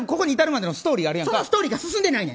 そのストーリーが進んでない。